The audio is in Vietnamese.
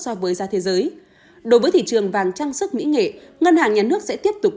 so với giá thế giới đối với thị trường vàng trang sức mỹ nghệ ngân hàng nhà nước sẽ tiếp tục